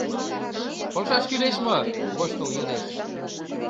«Полшаш кӱлеш мо?» — воштыл йодеш.